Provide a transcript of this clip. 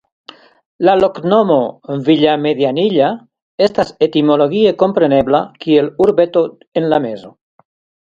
La loknomo "Villamedianilla" estas etimologie komprenebla kiel "Urbeto en la mezo".